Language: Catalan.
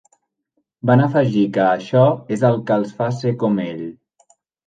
Van afegir que això és el que els fa ser com ell.